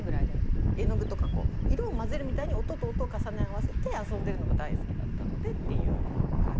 絵の具とか色を混ぜるみたいに音と音を重ね合わせて遊んでるのが大好きだったのでっていう感じですね。